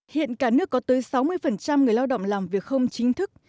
hiện cả nước có tới sáu mươi người lao động làm việc không chính thức